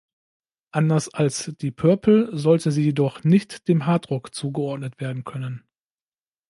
Anders als Deep Purple sollte sie jedoch nicht dem Hardrock zugeordnet werden können.